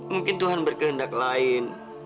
mungkin tuhan berkehendak lain